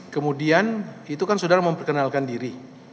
kemudian itu kan saudara memperkenalkan diri